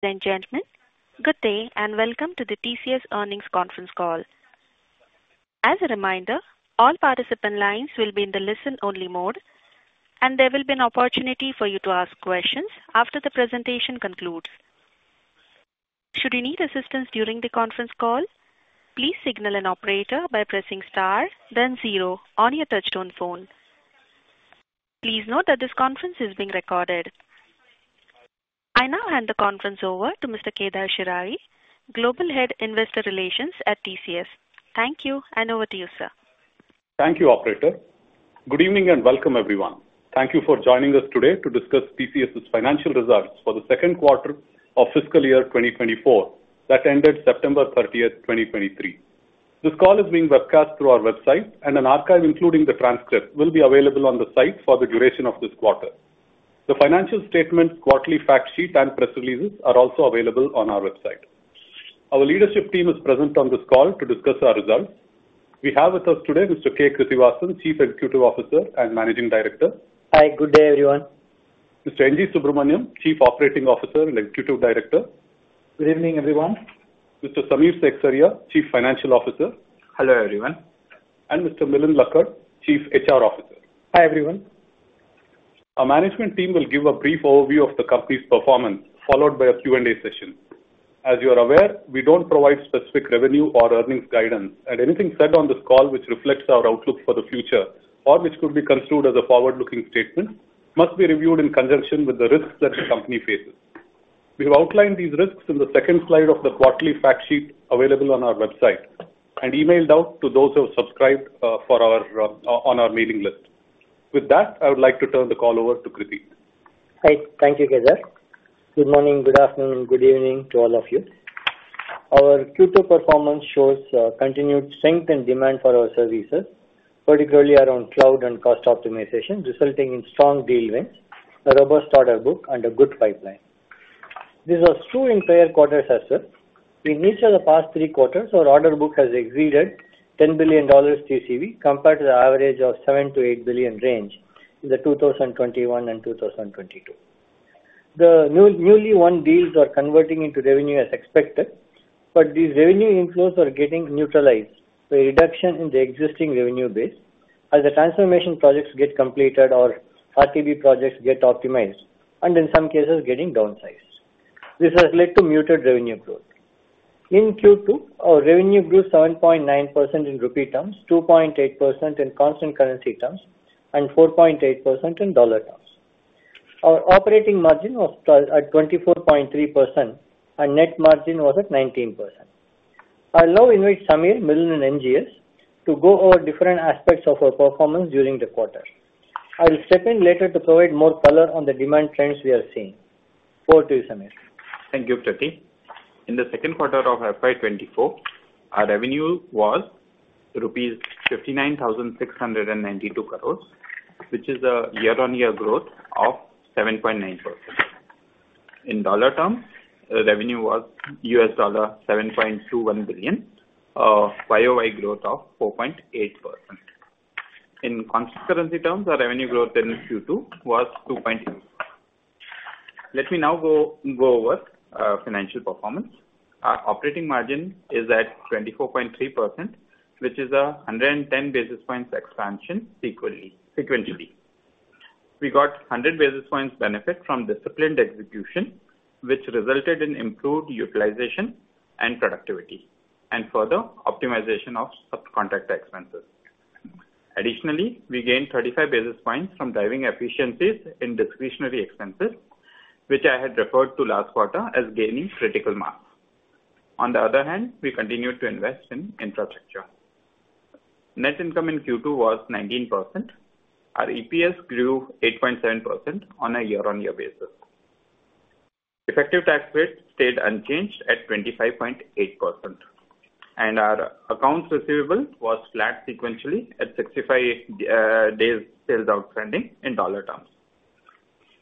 Ladies and gentlemen, good day, and welcome to the TCS Earnings Conference Call. As a reminder, all participant lines will be in the listen-only mode, and there will be an opportunity for you to ask questions after the presentation concludes. Should you need assistance during the conference call, please signal an operator by pressing star, then zero on your touchtone phone. Please note that this conference is being recorded. I now hand the conference over to Mr. Kedar Shirali, Global Head Investor Relations at TCS. Thank you, and over to you, sir. Thank you, operator. Good evening, and welcome, everyone. Thank you for joining us today to discuss TCS's financial results for the Q2 of fiscal year 2024, that ended September 30, 2023. This call is being webcast through our website, and an archive, including the transcript, will be available on the site for the duration of this Q3. The financial statement, quarterly fact sheet, and press releases are also available on our website. Our leadership team is present on this call to discuss our results. We have with us today Mr. K. Krithivasan, Chief Executive Officer and Managing Director. Hi, good day, everyone. Mr. N.G. Subramaniam, Chief Operating Officer and Executive Director. Good evening, everyone. Mr. Samir Seksaria, Chief Financial Officer. Hello, everyone. Mr. Milind Lakkad, Chief HR Officer. Hi, everyone. Our management team will give a brief overview of the company's performance, followed by a Q&A session. As you are aware, we don't provide specific revenue or earnings guidance, and anything said on this call which reflects our outlook for the future, or which could be construed as a forward-looking statement, must be reviewed in conjunction with the risks that the company faces. We have outlined these risks in the second slide of the quarterly fact sheet available on our website and emailed out to those who subscribed for our mailing list. With that, I would like to turn the call over to Krithi. Hi. Thank you, Kedar. Good morning, good afternoon, good evening to all of you. Our Q2 performance shows continued strength and demand for our services, particularly around cloud and cost optimization, resulting in strong deal wins, a robust order book, and a good pipeline. This was true in prior quarters as well. We initiated the past three quarters. Our order book has exceeded $10 billion TCV, compared to the average of $7 billion-$8 billion range in 2021 and 2022. The newly won deals are converting into revenue as expected, but these revenue inflows are getting neutralized by reduction in the existing revenue base as the transformation projects get completed or RTB projects get optimized, and in some cases, getting downsized. This has led to muted revenue growth. In Q2, our revenue grew 7.9% in rupee terms, 2.8% in constant currency terms, and 4.8% in dollar terms. Our operating margin was at 24.3%, and net margin was at 19%. I now invite Samir, Milind, and NGS to go over different aspects of our performance during the quarter. I will step in later to provide more color on the demand trends we are seeing. Over to you, Samir. Thank you, Krithi. In the Q2 of FY 2024, our revenue was rupees 59,692 crore, which is a year-on-year growth of 7.9%. In dollar terms, revenue was $7.21 billion, a YOY growth of 4.8%. In constant currency terms, our revenue growth in Q2 was 2.0. Let me now go over financial performance. Our operating margin is at 24.3%, which is a 110 basis points expansion sequentially. We got 100 basis points benefit from disciplined execution, which resulted in improved utilization and productivity, and further optimization of subcontract expenses. Additionally, we gained 35 basis points from driving efficiencies in discretionary expenses, which I had referred to last quarter as gaining critical mass. On the other hand, we continued to invest in infrastructure. Net income in Q2 was 19%. Our EPS grew 8.7% on a year-on-year basis. Effective tax rate stayed unchanged at 25.8%, and our accounts receivable was flat sequentially at 65 days sales outstanding in dollar terms.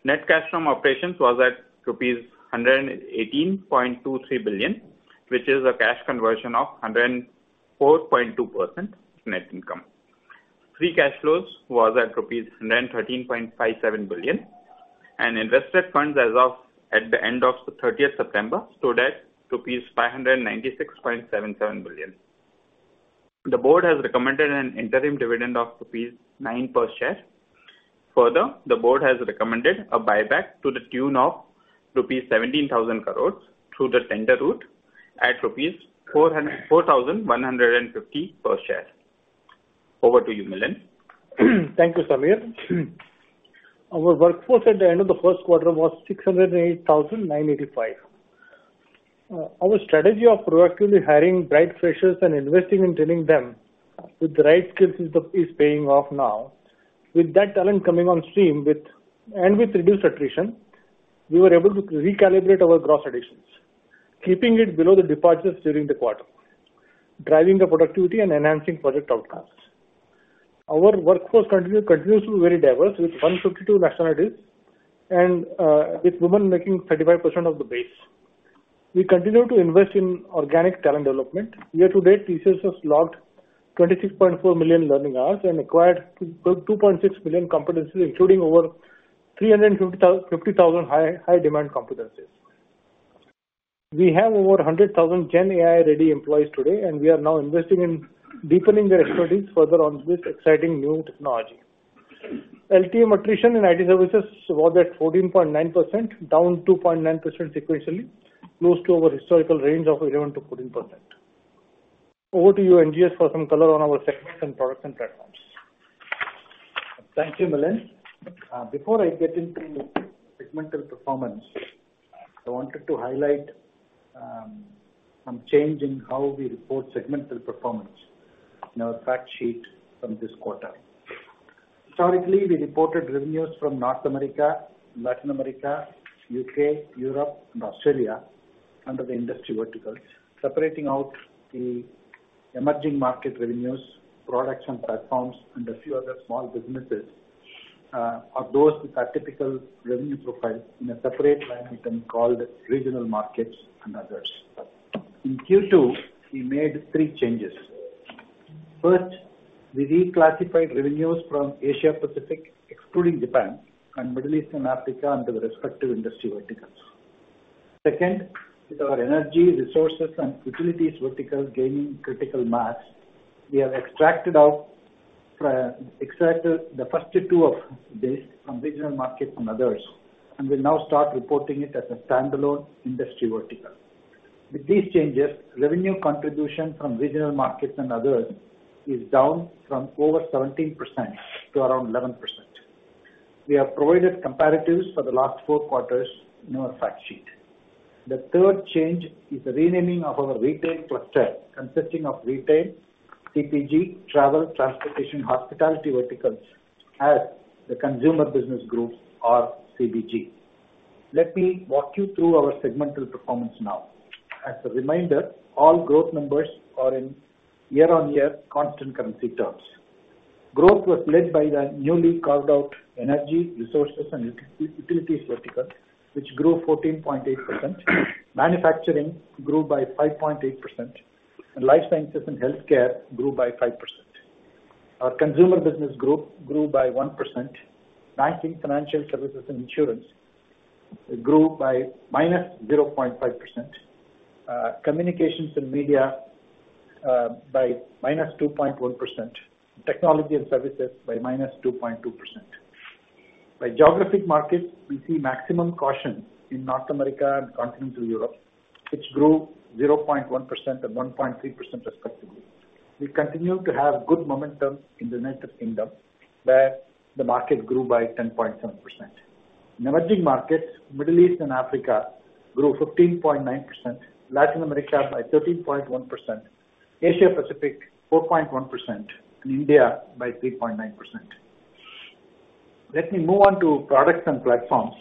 Net cash from operations was at rupees 118.23 billion, which is a cash conversion of 104.2% net income. Free cash flows was at rupees 113.57 billion, and invested funds as of at the end of the 30th September stood at rupees 596.77 billion. The board has recommended an interim dividend of rupees 9 per share. Further, the Board has recommended a buyback to the tune of rupees 17,000 crore through the tender route at rupees 4,150 per share. Over to you, Milind. Thank you, Samir. Our workforce at the end of the Q1 was 608,985. Our strategy of proactively hiring bright freshers and investing in training them with the right skill set is paying off now. With that talent coming on stream and with reduced attrition, we were able to recalibrate our gross additions, keeping it below the departures during the quarter, driving the productivity and enhancing project outcomes. Our workforce continues to be very diverse, with 152 nationalities and with women making 35% of the base. We continue to invest in organic talent development. Year to date, TCS has logged 26.4 million learning hours and acquired 2.6 million competencies, including over 350,000 high demand competencies. We have over 100,000 GenAI-ready employees today, and we are now investing in deepening their expertise further on with exciting new technology. LTM attrition in IT services was at 14.9%, down 2.9% sequentially, close to our historical range of 11%-14%. Over to you, NGS, for some color on our segments and products and platforms. Thank you, Milind. Before I get into the segmental performance, I wanted to highlight some change in how we report segmental performance in our fact sheet from this quarter. Historically, we reported revenues from North America, Latin America, UK, Europe, and Australia under the industry verticals, separating out the emerging market revenues, products and platforms, and a few other small businesses, or those with a typical revenue profile in a separate line item called Regional Markets and Others. In Q2, we made three changes. First, we reclassified revenues from Asia Pacific, excluding Japan, and Middle East and Africa under the respective industry verticals. Second, with our energy resources and utilities verticals gaining critical mass, we have extracted the first two of this from regional markets and others, and we'll now start reporting it as a standalone industry vertical. With these changes, revenue contribution from regional markets and others is down from over 17% to around 11%. We have provided comparatives for the last 4 quarters in our fact sheet. The third change is the renaming of our retail cluster, consisting of retail, CPG, travel, transportation, hospitality verticals as the consumer business group or CBG. Let me walk you through our segmental performance now. As a reminder, all growth numbers are in year-on-year constant currency terms. Growth was led by the newly carved-out energy resources and utilities vertical, which grew 14.8%. Manufacturing grew by 5.8%, and life sciences and healthcare grew by 5%. Our consumer business group grew by 1%. Banking, financial services and insurance grew by -0.5%. Communications and media by -2.1%. Technology and services by -2.2%. By geographic markets, we see maximum caution in North America and continental Europe, which grew 0.1% and 1.3% respectively. We continue to have good momentum in the United Kingdom, where the market grew by 10.7%. In emerging markets, Middle East and Africa grew 15.9%, Latin America by 13.1%, Asia Pacific 4.1%, and India by 3.9%. Let me move on to products and platforms.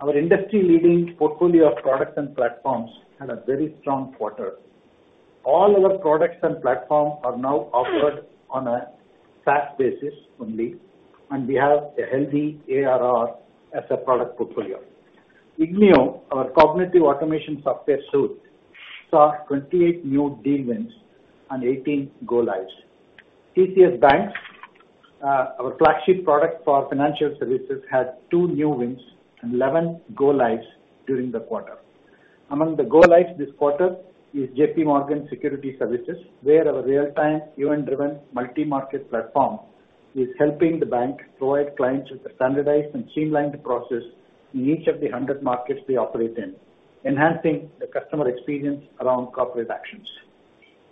Our industry-leading portfolio of products and platforms had a very strong quarter. All our products and platforms are now offered on a SaaS basis only, and we have a healthy ARR as a product portfolio. ignio, our cognitive automation software suite, saw 28 new deal wins and 18 go lives. TCS BaNCS, our flagship product for financial services, had 2 new wins and 11 go lives during the quarter. Among the go lives this quarter is JPMorgan Securities Services, where our real-time, event-driven multi-market platform is helping the bank provide clients with a standardized and streamlined process in each of the 100 markets we operate in, enhancing the customer experience around corporate actions.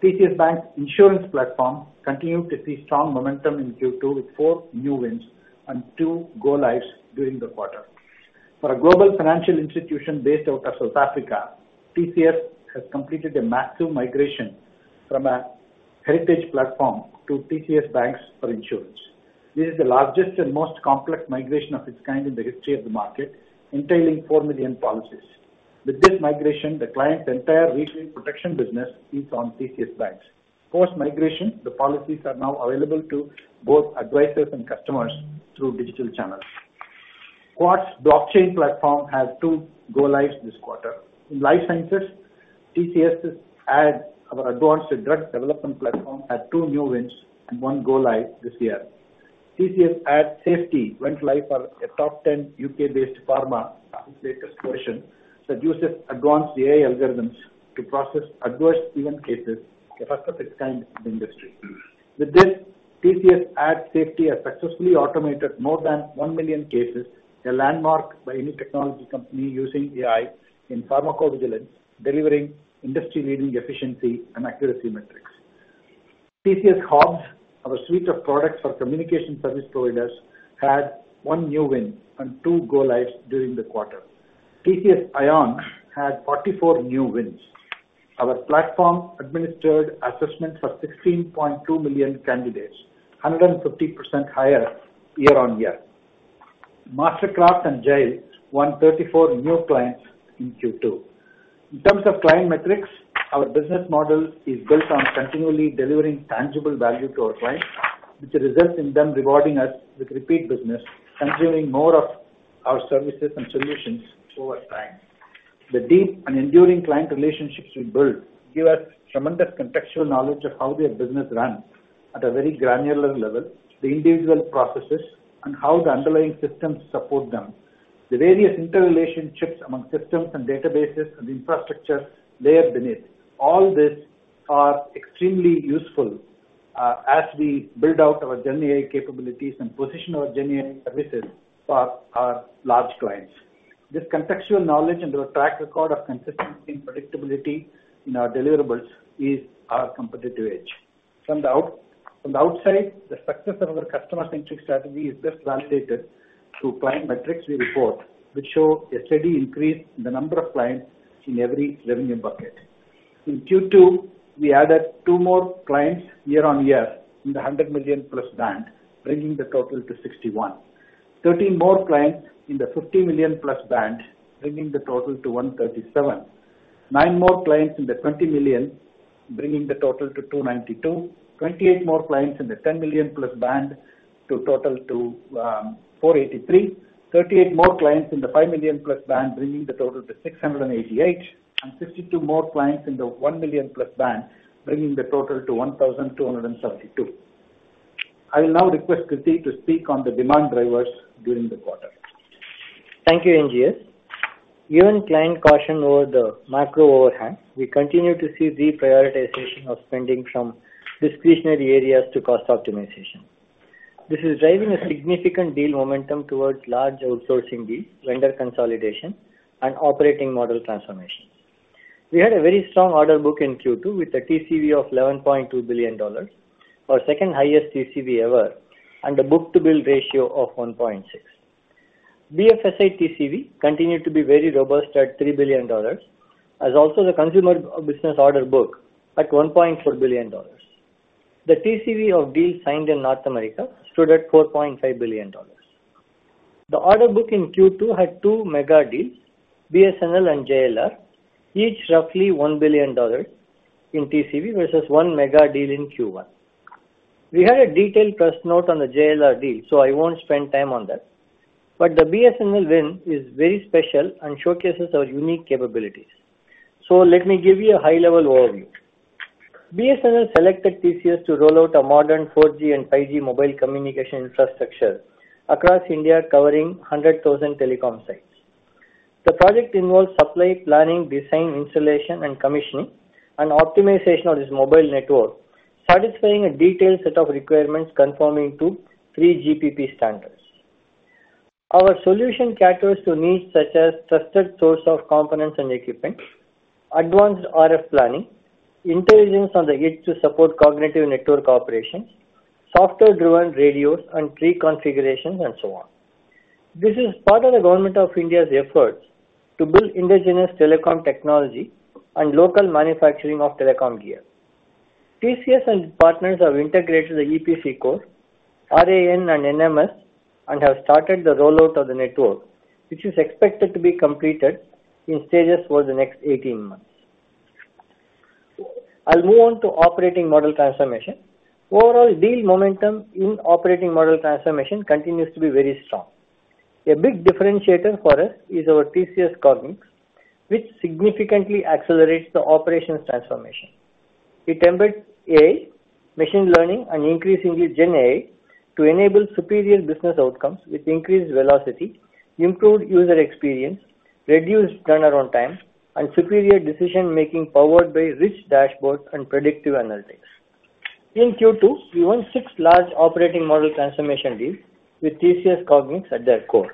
TCS BaNCS insurance platform continued to see strong momentum in Q2, with 4 new wins and 2 go lives during the quarter. For a global financial institution based out of South Africa, TCS has completed a massive migration from a heritage platform to TCS BaNCS for insurance. This is the largest and most complex migration of its kind in the history of the market, entailing 4 million policies. With this migration, the client's entire retail protection business is on TCS BaNCS. Post-migration, the policies are now available to both advisors and customers through digital channels. Quartz blockchain platform had 2 go-lives this quarter. In life sciences, TCS ADD, our advanced drug development platform, had 2 new wins and 1 go-live this year. TCS ADD Safety went live for a top ten U.K.-based pharma, its latest version that uses advanced AI algorithms to process adverse event cases, the first of its kind in the industry. With this, TCS ADD Safety has successfully automated more than 1 million cases, a landmark by any technology company using AI in pharmacovigilance, delivering industry-leading efficiency and accuracy metrics. TCS HOBS, our suite of products for communication service providers, had 1 new win and 2 go-lives during the quarter. TCS iON had 44 new wins. Our platform administered assessments for 16.2 million candidates, 150% higher year-on-year. MasterCraft and Jile won 34 new clients in Q2. In terms of client metrics, our business model is built on continually delivering tangible value to our clients, which results in them rewarding us with repeat business, consuming more of our services and solutions over time.... The deep and enduring client relationships we build give us tremendous contextual knowledge of how their business runs at a very granular level, the individual processes, and how the underlying systems support them. The various interrelationships among systems and databases and infrastructures layer beneath. All these are extremely useful, as we build out our GenAI capabilities and position our GenAI services for our large clients. This contextual knowledge and our track record of consistency and predictability in our deliverables is our competitive edge. From the outside, the success of our customer-centric strategy is just validated through client metrics we report, which show a steady increase in the number of clients in every revenue bucket. In Q2, we added 2 more clients year-on-year in the $100 million-plus band, bringing the total to 61. Thirteen more clients in the $50 million-plus band, bringing the total to 137. Nine more clients in the $20 million-plus band, bringing the total to 292. Twenty-eight more clients in the $10 million-plus band to total to 483. Thirty-eight more clients in the $5 million-plus band, bringing the total to 688, and 52 more clients in the $1 million-plus band, bringing the total to 1,272. I will now request Kirthi to speak on the demand drivers during the quarter. Thank you, NGS. Given client caution over the macro overhang, we continue to see reprioritization of spending from discretionary areas to cost optimization. This is driving a significant deal momentum towards large outsourcing deals, vendor consolidation, and operating model transformation. We had a very strong order book in Q2 with a TCV of $11.2 billion, our second-highest TCV ever, and a book-to-bill ratio of 1.6. BFSI TCV continued to be very robust at $3 billion, as also the consumer business order book at $1.4 billion. The TCV of deals signed in North America stood at $4.5 billion. The order book in Q2 had two mega deals, BSNL and JLR, each roughly $1 billion in TCV versus one mega deal in Q1. We had a detailed press note on the JLR deal, so I won't spend time on that. But the BSNL win is very special and showcases our unique capabilities. So let me give you a high-level overview. BSNL selected TCS to roll out a modern 4G and 5G mobile communication infrastructure across India, covering 100,000 telecom sites. The project involves supply, planning, design, installation and commissioning, and optimization of this mobile network, satisfying a detailed set of requirements conforming to 3GPP standards. Our solution caters to needs such as trusted source of components and equipment, advanced RF planning, intelligence on the edge to support cognitive network operations, software-driven radios and pre-configurations, and so on. This is part of the government of India's efforts to build indigenous telecom technology and local manufacturing of telecom gear. TCS and partners have integrated the EPC core, RAN and NMS, and have started the rollout of the network, which is expected to be completed in stages over the next 18 months. I'll move on to operating model transformation. Overall, deal momentum in operating model transformation continues to be very strong. A big differentiator for us is our TCS Cognix, which significantly accelerates the operations transformation. It embeds AI, machine learning, and increasingly GenAI to enable superior business outcomes with increased velocity, improved user experience, reduced turnaround time, and superior decision-making powered by rich dashboards and predictive analytics. In Q2, we won six large operating model transformation deals with TCS Cognix at their core.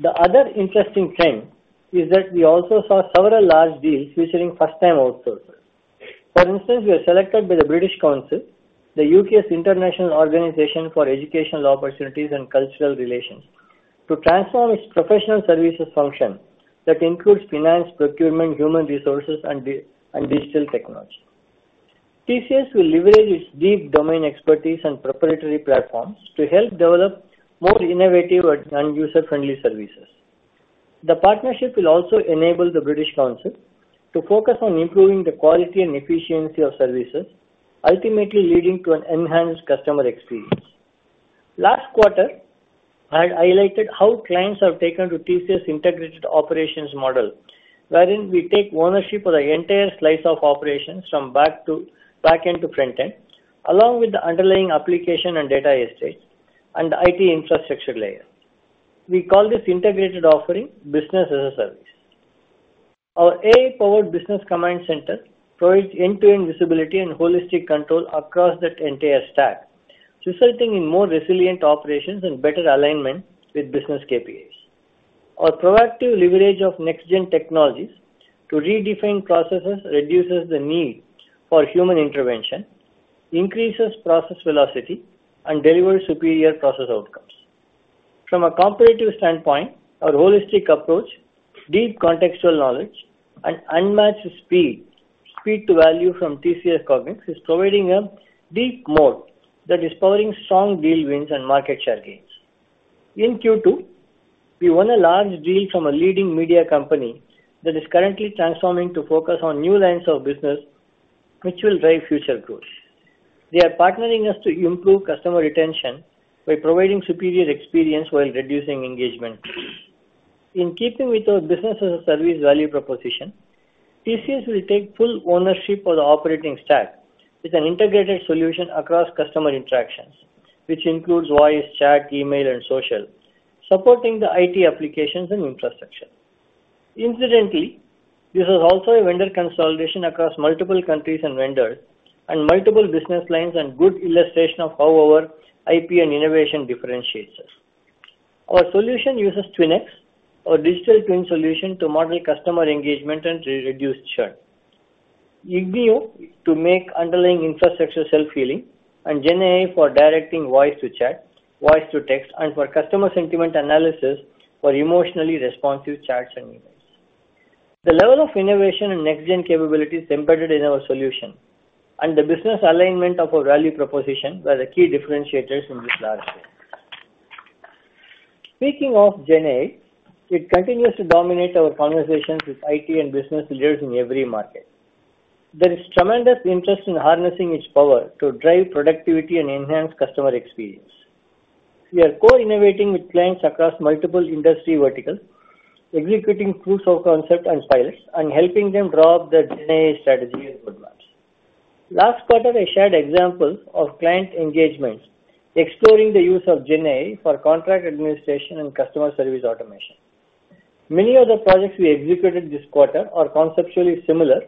The other interesting trend is that we also saw several large deals featuring first-time outsourcers. For instance, we were selected by the British Council, the UK's international organization for educational opportunities and cultural relations, to transform its professional services function that includes finance, procurement, human resources, and digital technology. TCS will leverage its deep domain expertise and proprietary platforms to help develop more innovative and user-friendly services. The partnership will also enable the British Council to focus on improving the quality and efficiency of services, ultimately leading to an enhanced customer experience. Last quarter, I had highlighted how clients have taken to TCS integrated operations model, wherein we take ownership of the entire slice of operations from back-end to front-end, along with the underlying application and data estate and the IT infrastructure layer. We call this integrated offering Business as a Service. Our AI-powered business command center provides end-to-end visibility and holistic control across that entire stack, resulting in more resilient operations and better alignment with business KPIs. Our proactive leverage of next-gen technologies to redefine processes reduces the need for human intervention, increases process velocity, and delivers superior process outcomes. From a competitive standpoint, our holistic approach, deep contextual knowledge, and unmatched speed to value from TCS Cognix is providing a deep moat that is powering strong deal wins and market share gains. In Q2, we won a large deal from a leading media company that is currently transforming to focus on new lines of business, which will drive future growth. They are partnering us to improve customer retention by providing superior experience while reducing engagement. In keeping with our business-as-a-service value proposition, TCS will take full ownership of the operating stack with an integrated solution across customer interactions, which includes voice, chat, email, and social, supporting the IT applications and infrastructure. Incidentally, this is also a vendor consolidation across multiple countries and vendors, and multiple business lines, and good illustration of how our IP and innovation differentiates us. Our solution uses TwinX, our digital twin solution, to model customer engagement and to reduce churn, ignio to make underlying infrastructure self-healing, and GenAI for directing voice to chat, voice to text, and for customer sentiment analysis for emotionally responsive chats and emails. The level of innovation and next-gen capabilities embedded in our solution and the business alignment of our value proposition were the key differentiators in this large win. Speaking of GenAI, it continues to dominate our conversations with IT and business leaders in every market. There is tremendous interest in harnessing its power to drive productivity and enhance customer experience. We are co-innovating with clients across multiple industry verticals, executing proofs of concept and pilots, and helping them draw up their GenAI strategy and roadmaps. Last quarter, I shared examples of client engagements exploring the use of GenAI for contract administration and customer service automation. Many of the projects we executed this quarter are conceptually similar,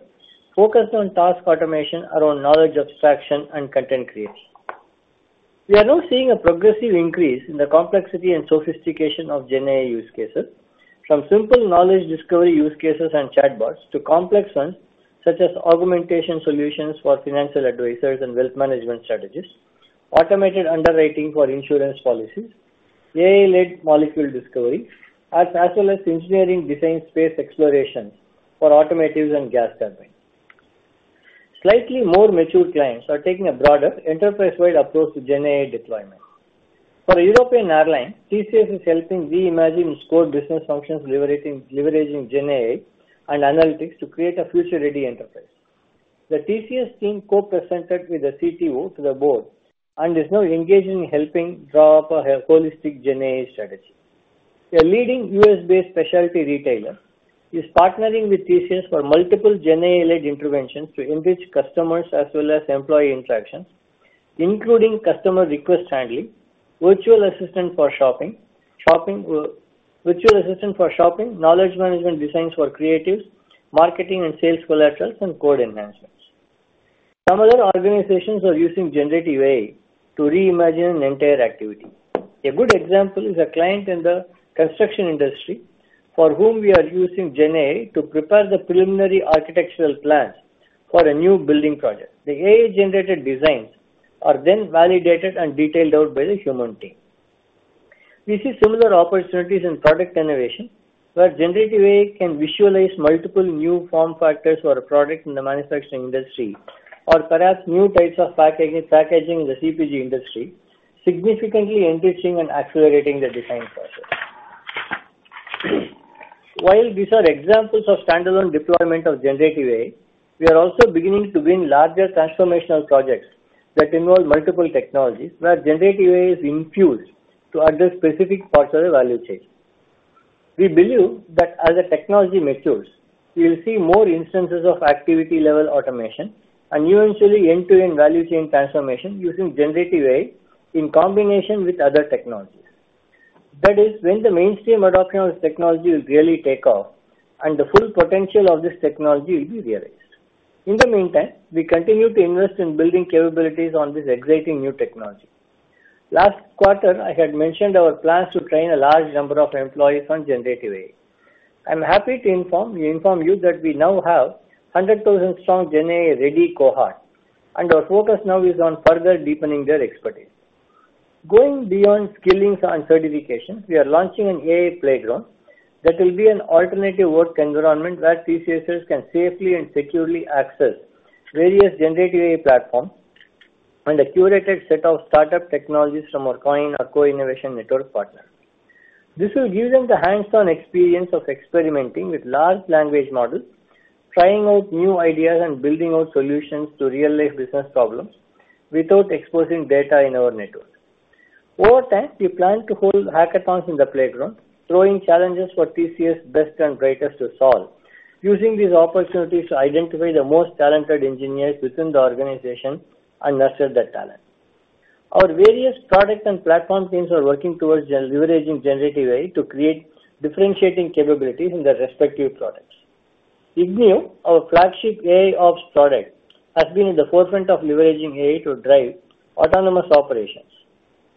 focused on task automation around knowledge abstraction and content creation. We are now seeing a progressive increase in the complexity and sophistication of GenAI use cases, from simple knowledge discovery use cases and chatbots, to complex ones, such as augmentation solutions for financial advisors and wealth management strategies, automated underwriting for insurance policies, AI-led molecule discovery, as well as engineering design space exploration for automotives and gas turbines. Slightly more mature clients are taking a broader enterprise-wide approach to GenAI deployment. For a European airline, TCS is helping reimagine its core business functions, leveraging GenAI and analytics to create a future-ready enterprise. The TCS team co-presented with the CTO to the board, and is now engaged in helping draw up a holistic GenAI strategy. A leading U.S.-based specialty retailer is partnering with TCS for multiple GenAI-led interventions to enrich customers as well as employee interactions, including customer request handling, virtual assistant for shopping, virtual assistant for shopping, knowledge management designs for creatives, marketing and sales collaterals, and code enhancements. Some other organizations are using generative AI to reimagine an entire activity. A good example is a client in the construction industry, for whom we are using GenAI to prepare the preliminary architectural plans for a new building project. The AI-generated designs are then validated and detailed out by the human team. We see similar opportunities in product innovation, where generative AI can visualize multiple new form factors for a product in the manufacturing industry, or perhaps new types of packaging in the CPG industry, significantly enriching and accelerating the design process. While these are examples of standalone deployment of generative AI, we are also beginning to win larger transformational projects that involve multiple technologies, where generative AI is infused to address specific parts of the value chain. We believe that as the technology matures, we will see more instances of activity-level automation and eventually end-to-end value chain transformation using generative AI in combination with other technologies. That is when the mainstream adoption of this technology will really take off, and the full potential of this technology will be realized. In the meantime, we continue to invest in building capabilities on this exciting new technology. Last quarter, I had mentioned our plans to train a large number of employees on generative AI. I'm happy to inform, we inform you that we now have 100,000-strong GenAI-ready cohort, and our focus now is on further deepening their expertise. Going beyond skilling and certification, we are launching an AI playground that will be an alternative work environment where TCSers can safely and securely access various generative AI platforms and a curated set of startup technologies from our COIN, our co-innovation network partner. This will give them the hands-on experience of experimenting with large language models, trying out new ideas, and building out solutions to real-life business problems without exposing data in our network. Over time, we plan to hold hackathons in the playground, throwing challenges for TCS best and brightest to solve, using these opportunities to identify the most talented engineers within the organization and nurture their talent. Our various product and platform teams are working towards leveraging generative AI to create differentiating capabilities in their respective products. ignio, our flagship AIOps product, has been at the forefront of leveraging AI to drive autonomous operations.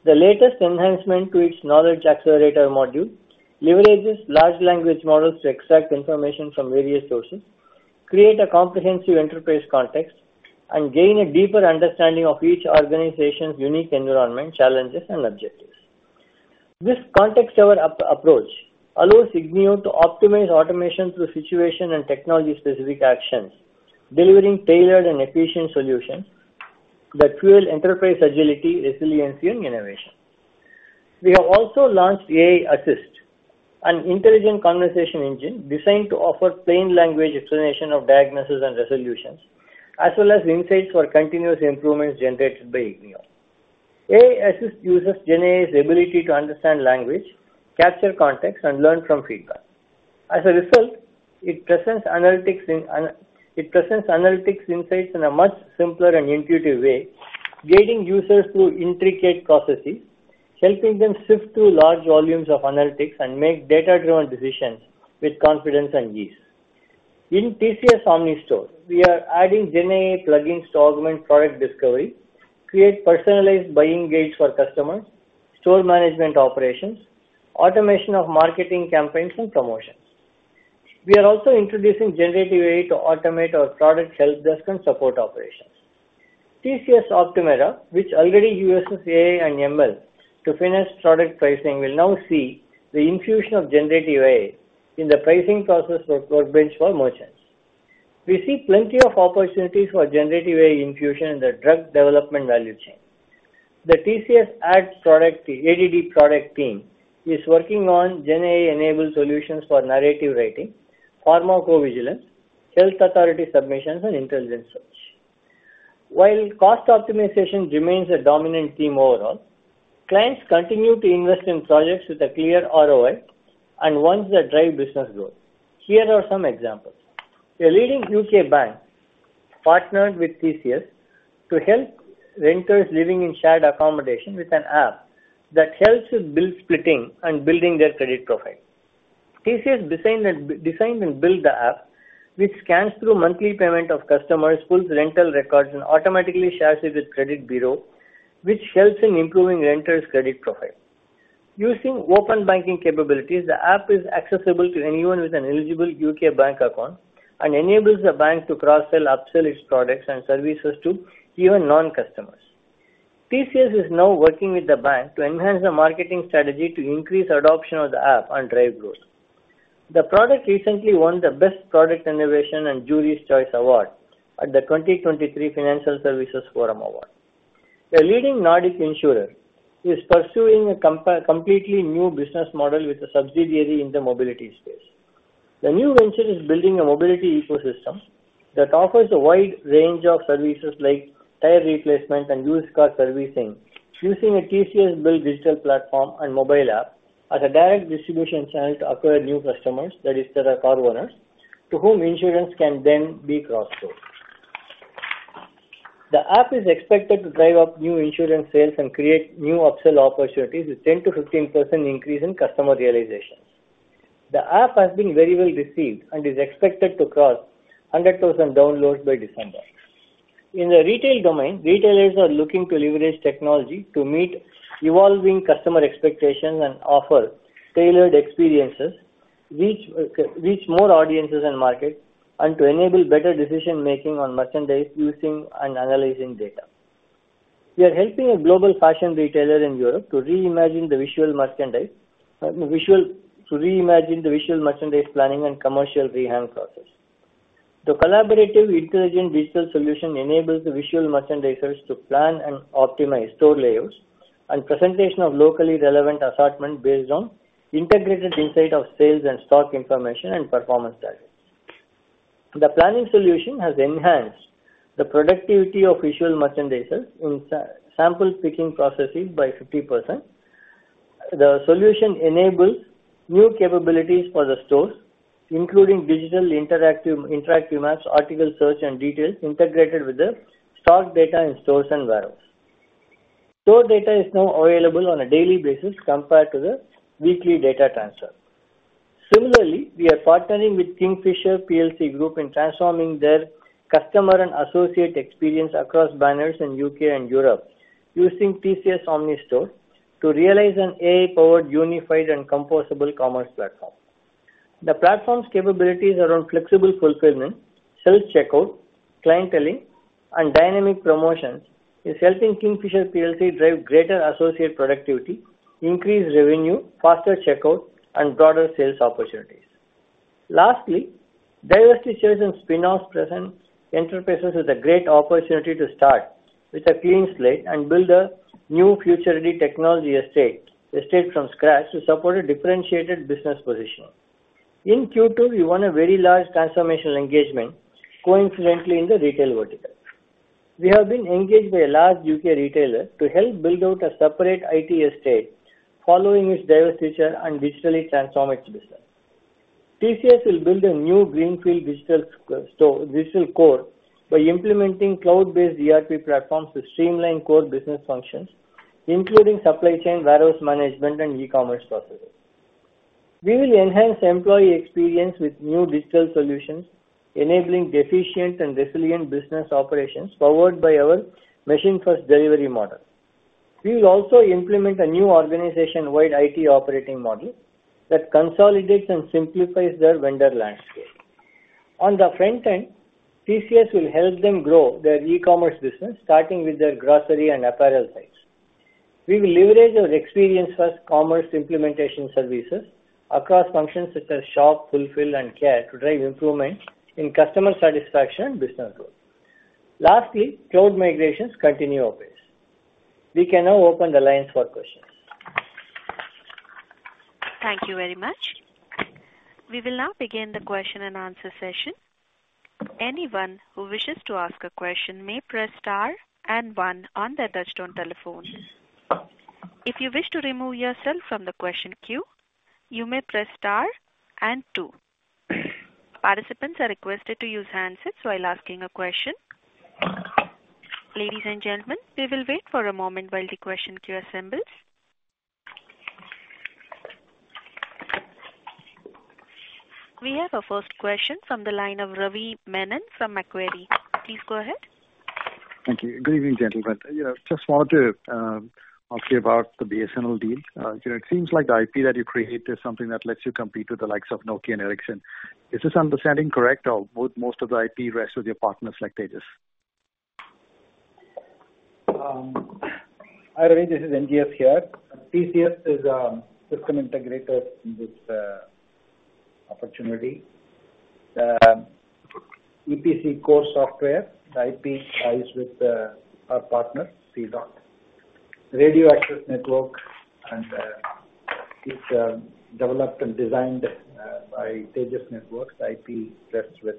The latest enhancement to its knowledge accelerator module leverages large language models to extract information from various sources, create a comprehensive enterprise context, and gain a deeper understanding of each organization's unique environment, challenges, and objectives. This context-aware approach allows ignio to optimize automation through situation and technology-specific actions, delivering tailored and efficient solutions that fuel enterprise agility, resiliency, and innovation. We have also launched AI Assist, an intelligent conversation engine designed to offer plain language explanation of diagnosis and resolutions, as well as insights for continuous improvements generated by ignio. AI Assist uses GenAI's ability to understand language, capture context, and learn from feedback. As a result, it presents analytics insights in a much simpler and intuitive way, guiding users through intricate processes, helping them sift through large volumes of analytics and make data-driven decisions with confidence and ease. In TCS OmniStore, we are adding GenAI plugins to augment product discovery, create personalized buying guides for customers, store management operations, automation of marketing campaigns and promotions. We are also introducing generative AI to automate our product helpdesk and support operations. TCS Optumera, which already uses AI and ML to fine-tune product pricing, will now see the infusion of generative AI in the pricing process for workbench for merchants. We see plenty of opportunities for generative AI infusion in the drug development value chain. The TCS ADD product team, ADD product team, is working on GenAI-enabled solutions for narrative writing, pharmacovigilance, health authority submissions, and intelligent search. While cost optimization remains a dominant theme overall, clients continue to invest in projects with a clear ROI and ones that drive business growth. Here are some examples. A leading U.K. bank partnered with TCS to help renters living in shared accommodation with an app that helps with bill splitting and building their credit profile. TCS designed and built the app, which scans through monthly payment of customers, pulls rental records, and automatically shares it with credit bureau, which helps in improving renters' credit profile. Using open banking capabilities, the app is accessible to anyone with an eligible U.K. bank account and enables the bank to cross-sell, upsell its products and services to even non-customers. TCS is now working with the bank to enhance the marketing strategy to increase adoption of the app and drive growth. The product recently won the Best Product Innovation and Jury's Choice Award at the 2023 Financial Services Forum Award. A leading Nordic insurer is pursuing a completely new business model with a subsidiary in the mobility space. The new venture is building a mobility ecosystem that offers a wide range of services like tire replacement and used car servicing, using a TCS-built digital platform and mobile app as a direct distribution channel to acquire new customers, that is, that are car owners, to whom insurance can then be cross-sold. The app is expected to drive up new insurance sales and create new upsell opportunities with 10%-15% increase in customer realization. The app has been very well received and is expected to cross 100,000 downloads by December. In the retail domain, retailers are looking to leverage technology to meet evolving customer expectations and offer tailored experiences, reach, reach more audiences and markets, and to enable better decision-making on merchandise using and analyzing data. We are helping a global fashion retailer in Europe to reimagine the visual merchandise to reimagine the visual merchandise planning and commercial rehang process. The collaborative intelligent digital solution enables the visual merchandisers to plan and optimize store layouts and presentation of locally relevant assortment based on integrated insight of sales and stock information and performance targets. The planning solution has enhanced the productivity of visual merchandisers in sample picking processes by 50%. The solution enables new capabilities for the stores, including digital interactive maps, article search and details integrated with the stock data in stores and warehouses. Store data is now available on a daily basis compared to the weekly data transfer. Similarly, we are partnering with Kingfisher PLC in transforming their customer and associate experience across banners in UK and Europe, using TCS OmniStore to realize an AI-powered, unified and composable commerce platform. The platform's capabilities around flexible fulfillment, self-checkout, clienteling, and dynamic promotions is helping Kingfisher PLC drive greater associate productivity, increase revenue, faster checkout, and broader sales opportunities. Lastly, divestitures and spin-offs present enterprises with a great opportunity to start with a clean slate and build a new future-ready technology estate from scratch to support a differentiated business position. In Q2, we won a very large transformational engagement, coincidentally, in the retail vertical. We have been engaged by a large UK retailer to help build out a separate IT estate following its divestiture and digitally transform its business. TCS will build a new greenfield digital store, digital core, by implementing cloud-based ERP platforms to streamline core business functions, including supply chain, warehouse management, and e-commerce processes. We will enhance employee experience with new digital solutions, enabling efficient and resilient business operations powered by our machine-first delivery model. We will also implement a new organization-wide IT operating model that consolidates and simplifies their vendor landscape. On the front end, TCS will help them grow their e-commerce business, starting with their grocery and apparel sites. We will leverage our experience-first commerce implementation services across functions such as shop, fulfill, and care to drive improvement in customer satisfaction and business growth.... Lastly, cloud migrations continue apace. We can now open the lines for questions. Thank you very much. We will now begin the question and answer session. Anyone who wishes to ask a question may press star and 1 on their touchtone telephone. If you wish to remove yourself from the question queue, you may press star and 2. Participants are requested to use handsets while asking a question. Ladies and gentlemen, we will wait for a moment while the question queue assembles. We have our first question from the line of Ravi Menon from Macquarie. Please go ahead. Thank you. Good evening, gentlemen. You know, just wanted to ask you about the BSNL deal. You know, it seems like the IP that you create is something that lets you compete with the likes of Nokia and Ericsson. Is this understanding correct, or most, most of the IP rests with your partners like Tejas? Hi, Ravi, this is NGS here. TCS is system integrator in this opportunity. EPC core software, the IP lies with our partner, C-DOT. Radio access network and is developed and designed by Tejas Networks, IP rests with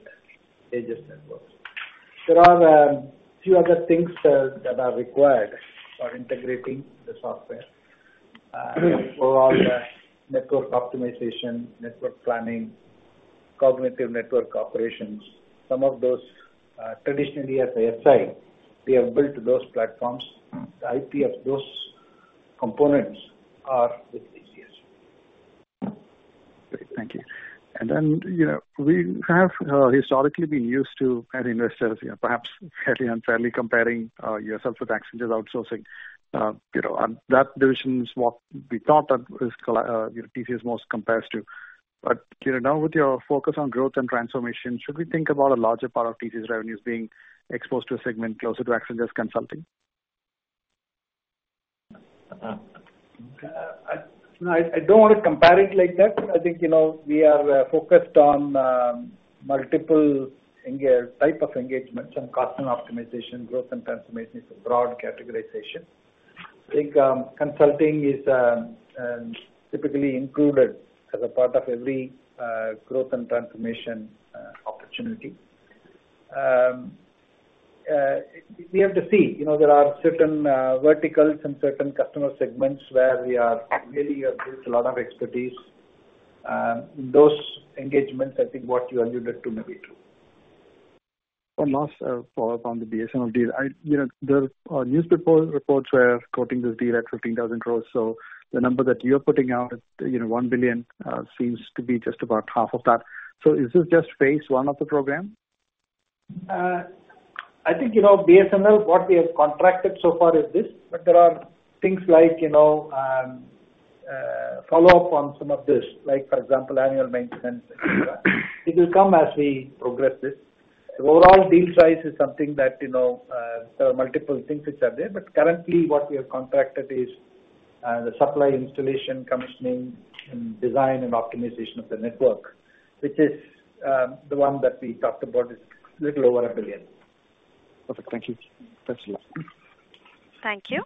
Tejas Networks. There are few other things that are required for integrating the software. Overall, network optimization, network planning, cognitive network operations, some of those, traditionally as a SI, we have built those platforms. The IP of those components are with TCS. Great. Thank you. And then, you know, we have historically been used to, as investors, you know, perhaps fairly unfairly comparing yourself with Accenture outsourcing. You know, and that division is what we thought that is TCS most compares to. But, you know, now with your focus on growth and transformation, should we think about a larger part of TCS revenues being exposed to a segment closer to Accenture's consulting? I don't want to compare it like that. I think, you know, we are focused on multiple engagement-type of engagements and cost and optimization, growth and transformation. It's a broad categorization. I think, consulting is typically included as a part of every growth and transformation opportunity. We have to see, you know, there are certain verticals and certain customer segments where we are really have built a lot of expertise in those engagements, I think, what you alluded to may be true. One last follow-up on the BSNL deal. I, you know, newspaper reports were quoting this deal at 15,000 crore, so the number that you're putting out, you know, $1 billion, seems to be just about half of that. So is this just phase one of the program? I think, you know, BSNL, what we have contracted so far is this, but there are things like, you know, follow-up on some of this, like, for example, annual maintenance, etc. It will come as we progress this. The overall deal size is something that, you know, there are multiple things which are there, but currently, what we have contracted is the supply, installation, commissioning, and design and optimization of the network, which is the one that we talked about, is a little over $1 billion. Okay, thank you. Thanks a lot. Thank you.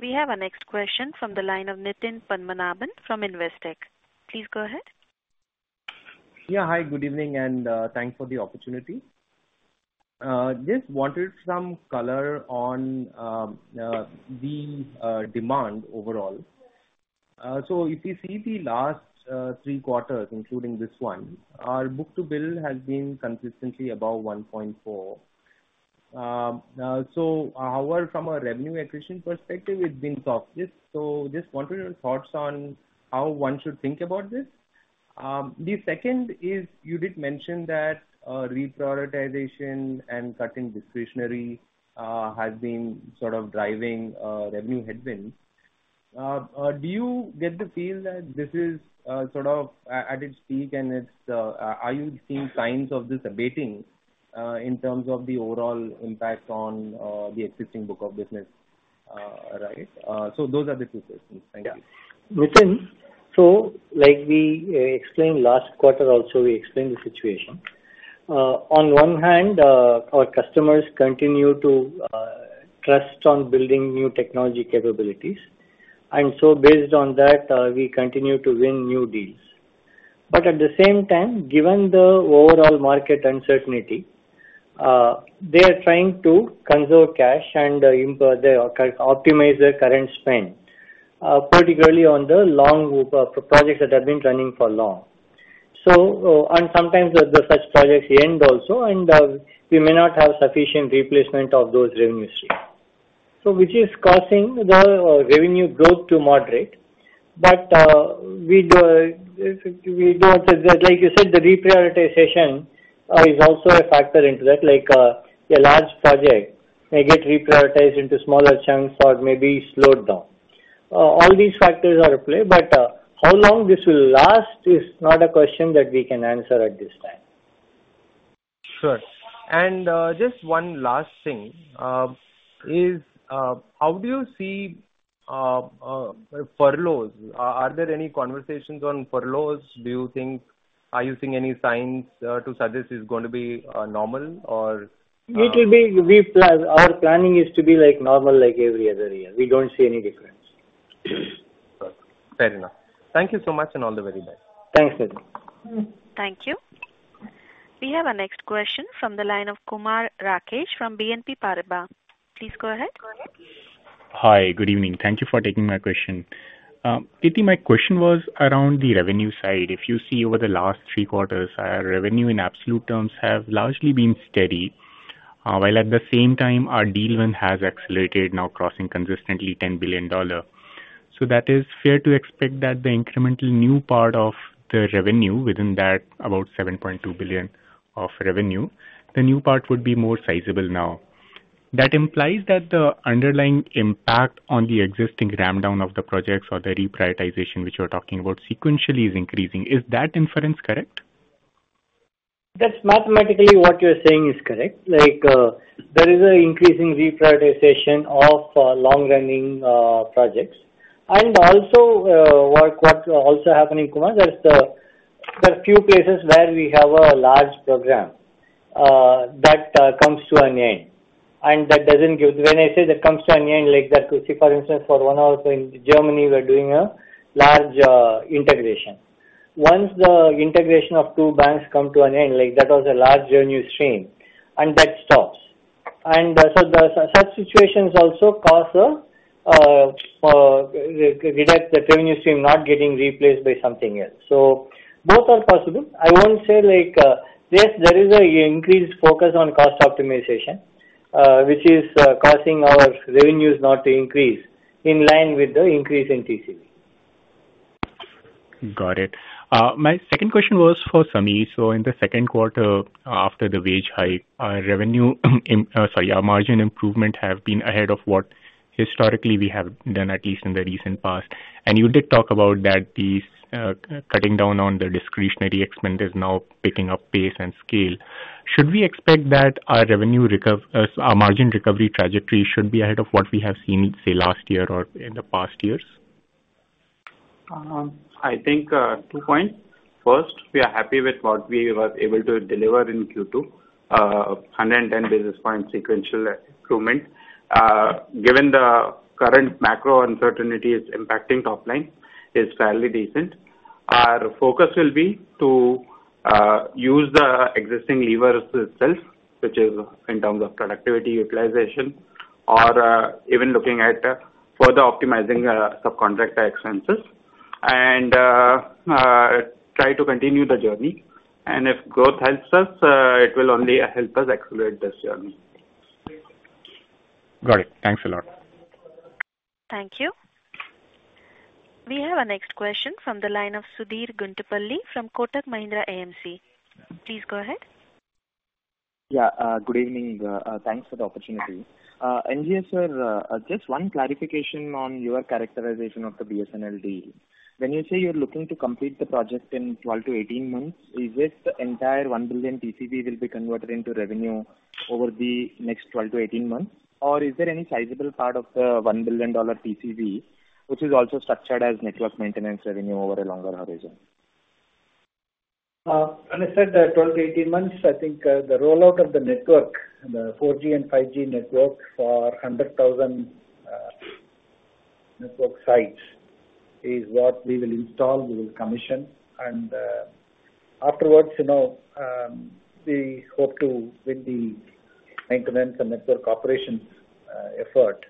We have our next question from the line of Nitin Padmanaban from Investec. Please go ahead. Yeah. Hi, good evening, and thanks for the opportunity. Just wanted some color on the demand overall. So if you see the last three quarters, including this one, our book-to-bill has been consistently above 1.4. So however, from a revenue attrition perspective, it's been softish. So just wanted your thoughts on how one should think about this. The second is, you did mention that reprioritization and cutting discretionary has been sort of driving revenue headwinds. Do you get the feel that this is sort of at its peak, and it's... Are you seeing signs of this abating in terms of the overall impact on the existing book of business, right? So those are the two questions. Thank you. Yeah. Nitin, so like we explained last quarter also, we explained the situation. On one hand, our customers continue to trust on building new technology capabilities, and so based on that, we continue to win new deals. But at the same time, given the overall market uncertainty, they are trying to conserve cash and improve- optimize their current spend, particularly on the long projects that have been running for long. So, and sometimes such projects end also, and we may not have sufficient replacement of those revenue stream. So which is causing the revenue growth to moderate, but we do, we do also, like you said, the reprioritization is also a factor into that. Like, a large project may get reprioritized into smaller chunks or maybe slowed down. All these factors are at play, but how long this will last is not a question that we can answer at this time. Sure. And, just one last thing, is, how do you see-... furloughs. Are there any conversations on furloughs? Do you think- are you seeing any signs to suggest it's going to be normal or? Our planning is to be like normal like every other year. We don't see any difference. Fair enough. Thank you so much, and all the very best. Thanks, NGS. Thank you. We have our next question from the line of Kumar Rakesh from BNP Paribas. Please go ahead. Hi, good evening. Thank you for taking my question. Krithi, my question was around the revenue side. If you see over the last three quarters, our revenue in absolute terms have largely been steady, while at the same time our deal win has accelerated, now crossing consistently $10 billion. So that is fair to expect that the incremental new part of the revenue within that, about $7.2 billion of revenue, the new part would be more sizable now. That implies that the underlying impact on the existing ramp down of the projects or the reprioritization, which you are talking about sequentially, is increasing. Is that inference correct? That's mathematically, what you're saying is correct. Like, there is an increasing reprioritization of, long-running, projects. And also, what also happening, Kumar, there are few places where we have a large program, that, comes to an end, and that doesn't give... When I say that comes to an end, like that, say, for instance, for one of our in Germany, we're doing a large, integration. Once the integration of two banks come to an end, like that was a large revenue stream, and that stops. And, so such situations also cause a, reduce the revenue stream not getting replaced by something else. So both are possible. I won't say like, yes, there is an increased focus on cost optimization, which is causing our revenues not to increase in line with the increase in TCV. Got it. My second question was for Samir. So in the Q2, after the wage hike, our revenue, sorry, our margin improvement have been ahead of what historically we have done, at least in the recent past. And you did talk about that the, cutting down on the discretionary expenditures is now picking up pace and scale. Should we expect that our revenue recover, our margin recovery trajectory should be ahead of what we have seen, say, last year or in the past years? I think, two points. First, we are happy with what we were able to deliver in Q2. 110 basis points sequential improvement. Given the current macro uncertainty is impacting top line, is fairly decent. Our focus will be to use the existing levers itself, which is in terms of productivity, utilization, or even looking at further optimizing subcontractor expenses. And try to continue the journey. And if growth helps us, it will only help us accelerate this journey. Got it. Thanks a lot. Thank you. We have our next question from the line of Sudheer Guntupalli from Kotak Mahindra AMC. Please go ahead. Yeah, good evening. Thanks for the opportunity. Ajay, sir, just one clarification on your characterization of the BSNL deal. When you say you're looking to complete the project in 12-18 months, is this entire $1 billion TCV will be converted into revenue over the next 12-18 months? Or is there any sizable part of the $1 billion TCV which is also structured as network maintenance revenue over a longer horizon? When I said 12 to 18 months, I think the rollout of the network, the 4G and 5G network for 100,000 network sites, is what we will install, we will commission. Afterwards, you know, we hope to, with the maintenance and network operations effort,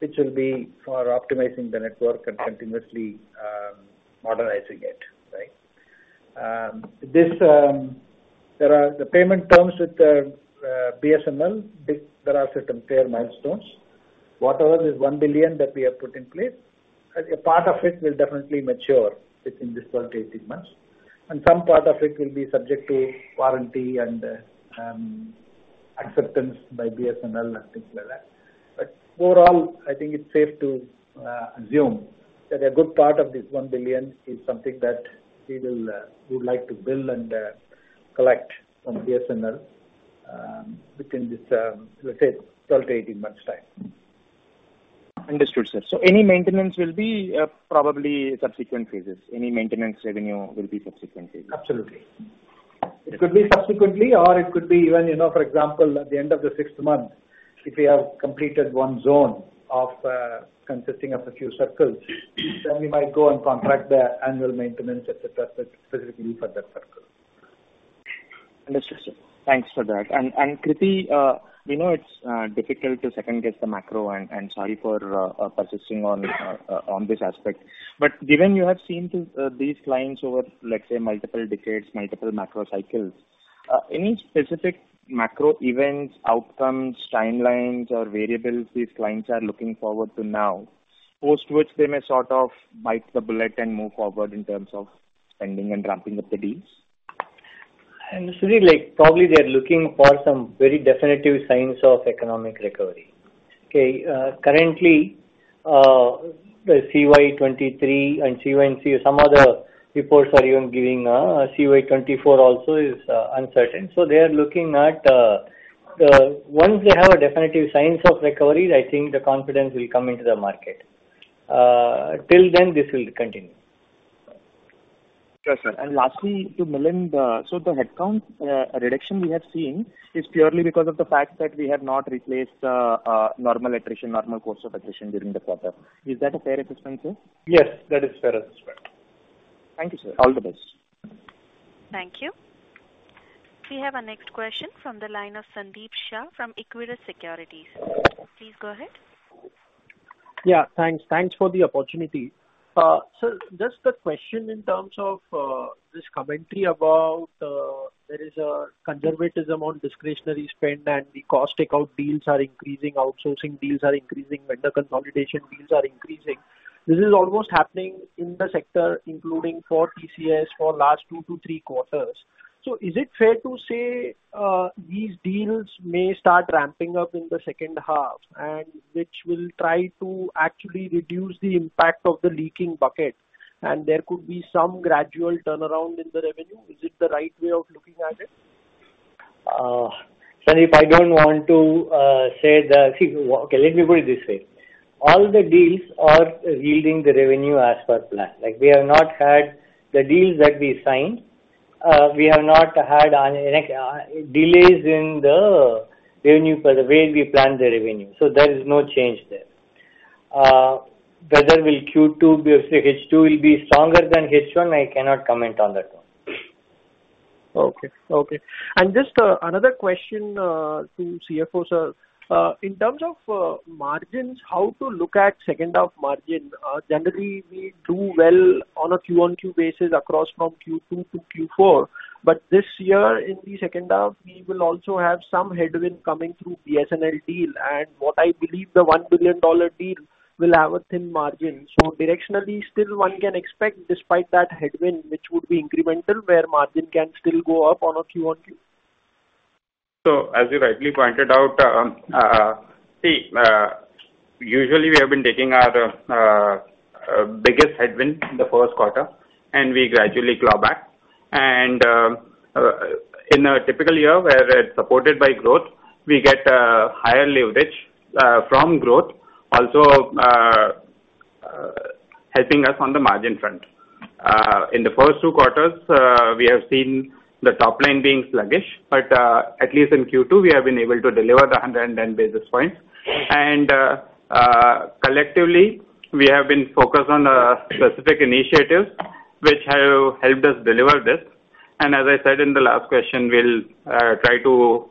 which will be for optimizing the network and continuously modernizing it, right? There are the payment terms with BSNL, there are certain clear milestones. Whatever is $1 billion that we have put in place, a part of it will definitely mature within this 12 to 18 months, and some part of it will be subject to warranty and acceptance by BSNL and things like that. But overall, I think it's safe to assume that a good part of this $1 billion is something that we will, we would like to bill and, collect from BSNL, within this, let's say, 12-18 months' time. Understood, sir. So any maintenance will be, probably subsequent phases? Any maintenance revenue will be subsequent phases. Absolutely. It could be subsequently or it could be even, you know, for example, at the end of the sixth month, if we have completed one zone of, consisting of a few circles, then we might go and contract the annual maintenance, et cetera, specifically for that circle. Understood, sir. Thanks for that. And, Krithi, we know it's difficult to second-guess the macro, and sorry for persisting on this aspect. But given you have seen these clients over, let's say, multiple decades, multiple macro cycles, any specific macro events, outcomes, timelines, or variables these clients are looking forward to now, post which they may sort of bite the bullet and move forward in terms of spending and ramping up the deals? Sudhir, like, probably they are looking for some very definitive signs of economic recovery. Okay, currently, the CY 2023 and CY and some other reports are even giving, CY 2024 also is, uncertain. So they are looking at,... once they have a definitive signs of recovery, I think the confidence will come into the market. Till then, this will continue. Sure, sir. And lastly, to Milind, so the headcount reduction we have seen is purely because of the fact that we have not replaced normal attrition, normal course of attrition during the quarter. Is that a fair assessment, sir? Yes, that is a fair assessment. Thank you, sir. All the best. Thank you. We have our next question from the line of Sandeep Shah from Equirus Securities. Please go ahead. Yeah, thanks. Thanks for the opportunity. So just a question in terms of this commentary about there is a conservatism on discretionary spend and the cost takeout deals are increasing, outsourcing deals are increasing, vendor consolidation deals are increasing. This is almost happening in the sector, including for TCS, for last two to three quarters. So is it fair to say these deals may start ramping up in the second half and which will try to actually reduce the impact of the leaking bucket, and there could be some gradual turnaround in the revenue? Is it the right way of looking at it? Sandeep, I don't want to say that... See, okay, let me put it this way. All the deals are yielding the revenue as per plan. Like, we have not had the deals that we signed, we have not had, any, delays in the revenue for the way we planned the revenue, so there is no change there. Whether will Q2 be, or H2 will be stronger than H1, I cannot comment on that one. Okay, okay. And just another question to CFO, sir. In terms of margins, how to look at second half margin? Generally, we do well on a Q-on-Q basis across from Q2 to Q4, but this year, in the second half, we will also have some headwind coming through BSNL deal, and what I believe the $1 billion deal will have a thin margin. So directionally, still one can expect despite that headwind, which would be incremental, where margin can still go up on a Q-on-Q? So, as you rightly pointed out, usually we have been taking our biggest headwind in the Q1, and we gradually claw back. In a typical year, where it's supported by growth, we get a higher leverage from growth also, helping us on the margin front. In the first two quarters, we have seen the top line being sluggish, but at least in Q2, we have been able to deliver the 110 basis points. Collectively, we have been focused on specific initiatives which have helped us deliver this. As I said in the last question, we'll try to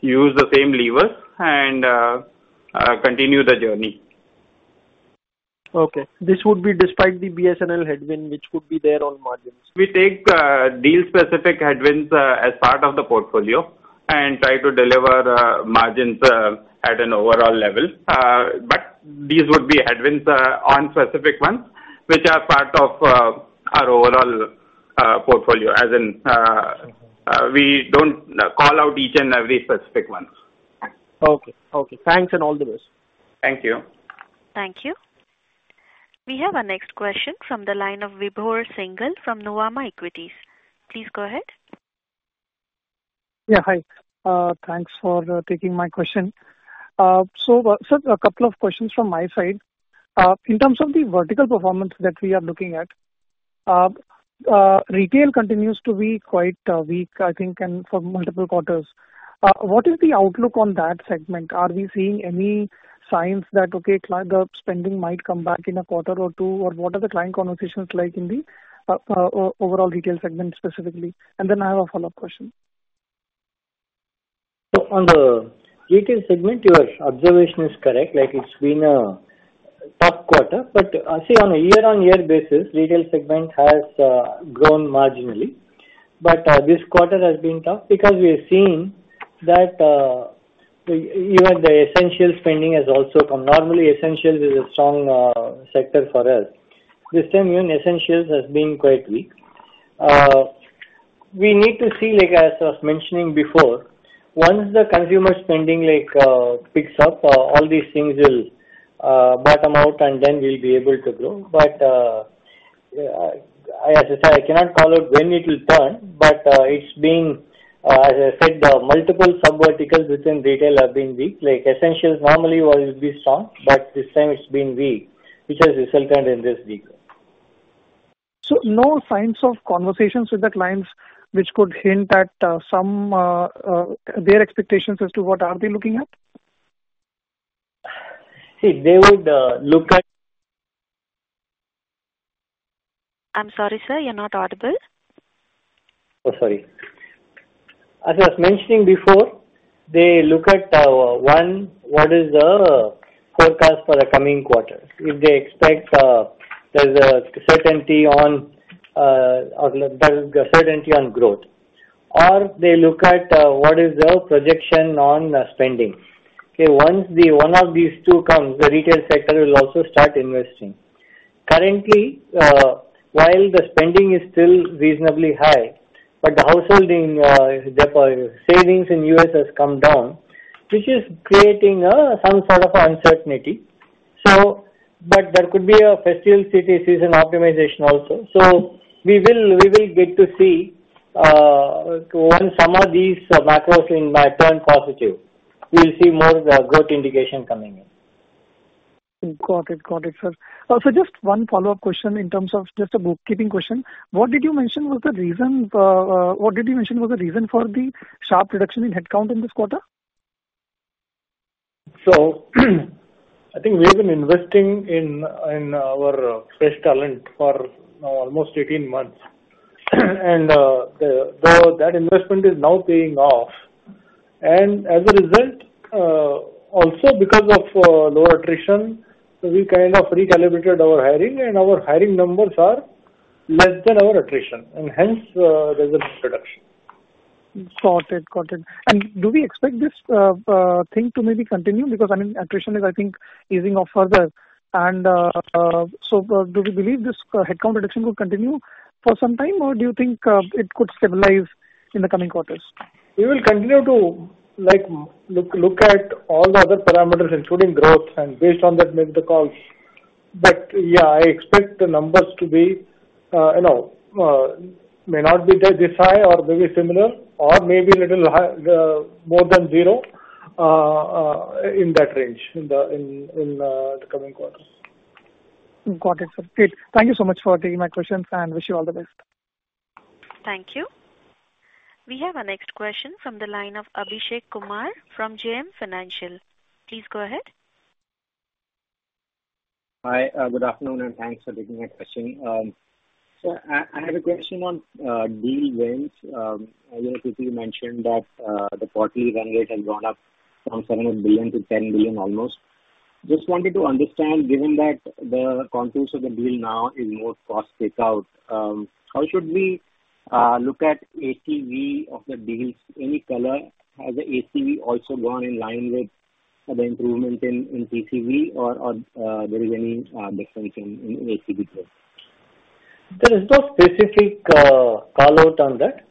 use the same levers and continue the journey. Okay. This would be despite the BSNL headwind, which could be there on margins. We take deal-specific headwinds as part of the portfolio and try to deliver margins at an overall level. But these would be headwinds on specific ones, which are part of our overall portfolio, as in- Okay. We don't call out each and every specific ones. Okay. Okay, thanks and all the best. Thank you. Thank you. We have our next question from the line of Vibhor Singhal from Nuvama Equities. Please go ahead. Yeah, hi. Thanks for taking my question. So, sir, a couple of questions from my side. In terms of the vertical performance that we are looking at, retail continues to be quite weak, I think, and for multiple quarters. What is the outlook on that segment? Are we seeing any signs that, okay, client spending might come back in a quarter or two? Or what are the client conversations like in the overall retail segment specifically? And then I have a follow-up question. So on the retail segment, your observation is correct. Like, it's been a tough quarter, but, see, on a year-on-year basis, retail segment has grown marginally. But this quarter has been tough because we have seen that even the essential spending has also come. Normally, essentials is a strong sector for us. This time, even essentials has been quite weak. We need to see, like, as I was mentioning before, once the consumer spending, like, picks up, all these things will bottom out, and then we'll be able to grow. But as I said, I cannot call out when it will turn, but it's being, as I said, multiple sub verticals within retail have been weak. Like essentials normally would be strong, but this time it's been weak, which has resulted in this weak. No signs of conversations with the clients, which could hint at some their expectations as to what are they looking at? See, they would look at- I'm sorry, sir, you're not audible. Oh, sorry. As I was mentioning before, they look at one, what is the forecast for the coming quarter? If they expect, there's a certainty on the certainty on growth, or they look at what is the projection on spending. Okay, once one of these two comes, the retail sector will also start investing. Currently, while the spending is still reasonably high, but the household therefore savings in U.S. has come down, which is creating some sort of uncertainty. So but there could be a festival season optimization also. So we will, we will get to see when some of these macros in May turn positive, we will see more growth indication coming in. Got it. Got it, sir. Also, just one follow-up question in terms of just a bookkeeping question. What did you mention was the reason for the sharp reduction in headcount in this quarter? I think we've been investing in our fresh talent for almost 18 months. The investment is now paying off. Also, because of low attrition, we kind of recalibrated our hiring, and our hiring numbers are less than our attrition, and hence, there's a reduction. Got it. Got it. And do we expect this thing to maybe continue? Because, I mean, attrition is, I think, easing off further. And so do we believe this headcount reduction will continue for some time, or do you think it could stabilize in the coming quarters? We will continue to, like, look at all the other parameters, including growth, and based on that, make the calls. But, yeah, I expect the numbers to be, you know, may not be this high or very similar, or maybe a little high, more than zero, in that range, in the coming quarters. Got it, sir. Great. Thank you so much for taking my questions, and wish you all the best. Thank you. We have our next question from the line of Abhishek Kumar from JM Financial. Please go ahead. Hi, good afternoon, and thanks for taking my question. I had a question on deal wins. You know, you mentioned that the quarterly run rate has gone up from $7 billion to $10 billion almost. Just wanted to understand, given that the contours of the deal now is more cost takeout, how should we look at ACV of the deals? Any color, has the ACV also gone in line with the improvement in TCV or there is any difference in ACV growth? There is no specific call-out on that.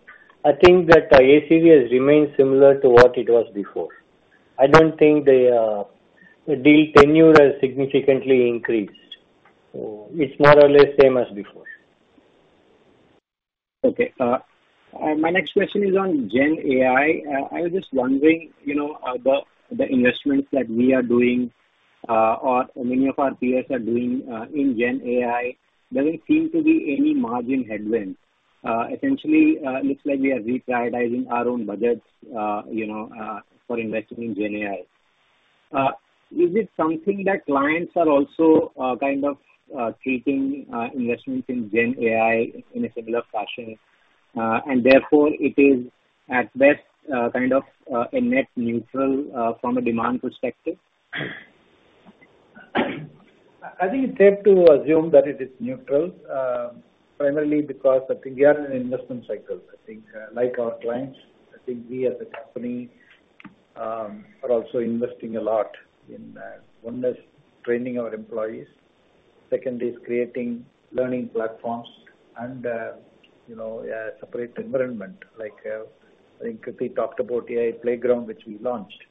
I think that ACV has remained similar to what it was before. I don't think the deal tenure has significantly increased. So it's more or less same as before. Okay, my next question is on GenAI. I was just wondering, you know, the investments that we are doing, or many of our peers are doing, in GenAI, there doesn't seem to be any margin headwinds. Essentially, looks like we are reprioritizing our own budgets, you know, for investing in GenAI. Is it something that clients are also, kind of, treating investments in GenAI in a similar fashion, and therefore it is at best, kind of, a net neutral, from a demand perspective? I think it's safe to assume that it is neutral, primarily because I think we are in an investment cycle. I think, like our clients, I think we as a company, are also investing a lot in, one is training our employees, second is creating learning platforms and, you know, a separate environment like, I think we talked about AI playground, which we launched.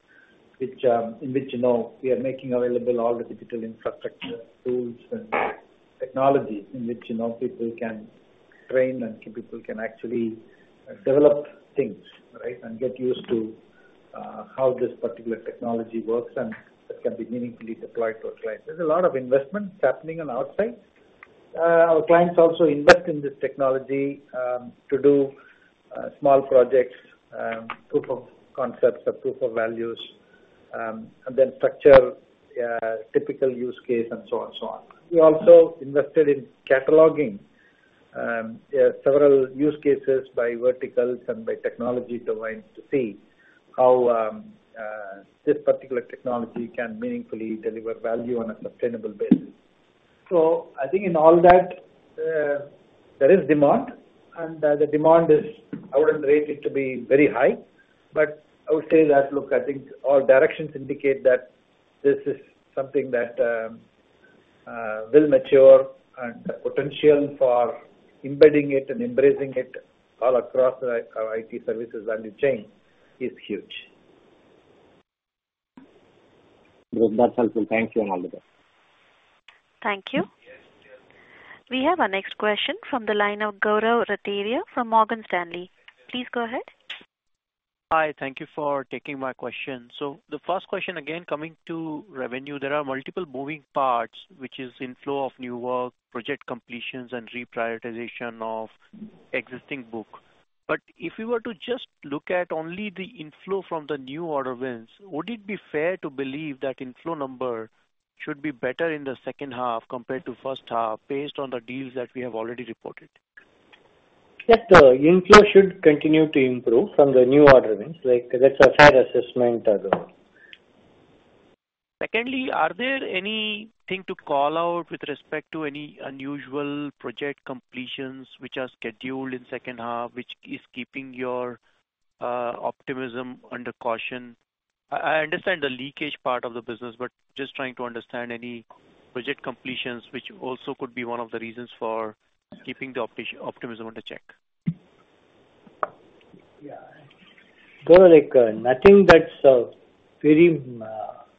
Which, in which, you know, we are making available all the digital infrastructure, tools, and technologies in which, you know, people can train and people can actually develop things, right? And get used to, how this particular technology works, and it can be meaningfully deployed to our clients. There's a lot of investment happening on our side. Our clients also invest in this technology to do small projects, proof of concepts or proof of values, and then structure typical use case and so on, so on. We also invested in cataloging several use cases by verticals and by technology domains to see how this particular technology can meaningfully deliver value on a sustainable basis. So I think in all that, there is demand, and the demand is, I wouldn't rate it to be very high, but I would say that, look, I think all directions indicate that this is something that will mature, and the potential for embedding it and embracing it all across our IT services value chain is huge. Good. That's helpful. Thank you and all the best. Thank you. We have our next question from the line of Gaurav Rateria from Morgan Stanley. Please go ahead. Hi, thank you for taking my question. So the first question, again, coming to revenue. There are multiple moving parts, which is inflow of new work, project completions, and reprioritization of existing book. But if we were to just look at only the inflow from the new order wins, would it be fair to believe that inflow number should be better in the second half compared to first half, based on the deals that we have already reported? Yes, the inflow should continue to improve from the new order wins, like that's a fair assessment, Gaurav. Secondly, are there anything to call out with respect to any unusual project completions which are scheduled in second half, which is keeping your optimism under caution? I understand the leakage part of the business, but just trying to understand any project completions, which also could be one of the reasons for keeping the optimism under check.... Yeah. Gaurav, like, nothing that's very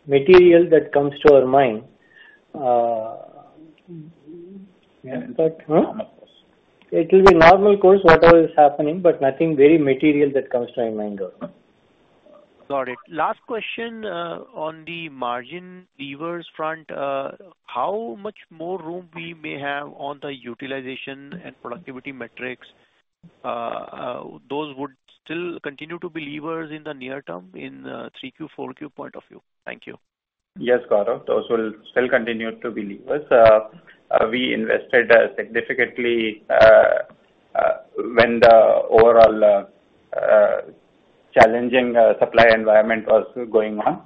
material that comes to our mind. But, hmm? Normal course. It will be normal course, whatever is happening, but nothing very material that comes to my mind, Gaurav. Got it. Last question, on the margin levers front, how much more room we may have on the utilization and productivity metrics, those would still continue to be levers in the near term in, three Q, four Q point of view? Thank you. Yes, Gaurav, those will still continue to be levers. We invested significantly when the overall challenging supply environment was going on,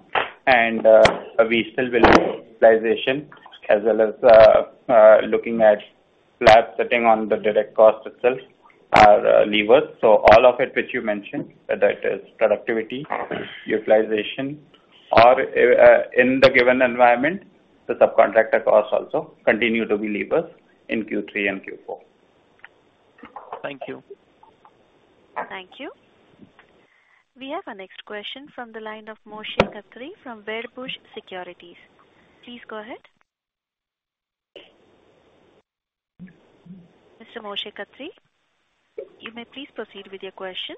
and we still believe utilization as well as looking at flattening on the direct cost itself, are levers. So all of it which you mentioned, whether it is productivity, utilization, or in the given environment, the subcontractor costs also continue to be levers in Q3 and Q4. Thank you. Thank you. We have our next question from the line of Moshe Katri from BofA Securities. Please go ahead. Mr. Moshe Katri, you may please proceed with your question.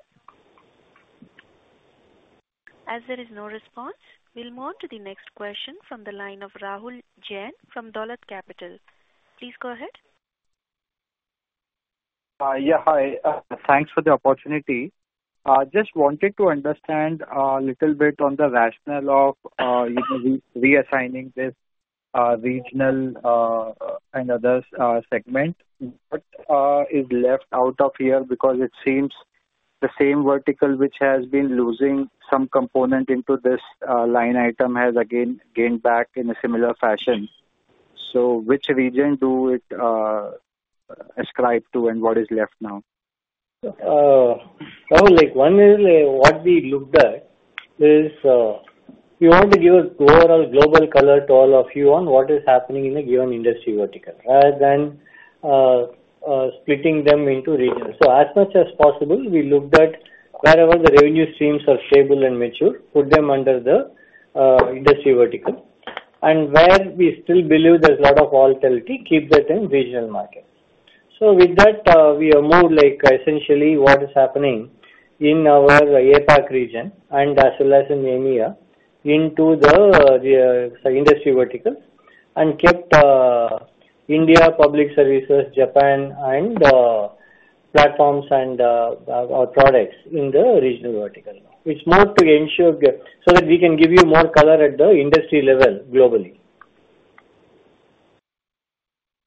As there is no response, we'll move on to the next question from the line of Rahul Jain from Dolat Capital. Please go ahead. Yeah, hi. Thanks for the opportunity. Just wanted to understand a little bit on the rationale of you re-reassigning this regional and other segment. What is left out of here because it seems the same vertical, which has been losing some component into this line item, has again gained back in a similar fashion. Which region do it ascribe to, and what is left now? Now, like, one is what we looked at is, we want to give an overall global color to all of you on what is happening in a given industry vertical, rather than, splitting them into regions. So as much as possible, we looked at wherever the revenue streams are stable and mature, put them under the, industry vertical. And where we still believe there's a lot of volatility, keep that in regional markets. So with that, we have moved like essentially what is happening in our APAC region and as well as in EMEA, into the, the industry vertical and kept, India Public Services, Japan and, platforms and, our products in the regional vertical. It's more to ensure that so that we can give you more color at the industry level globally.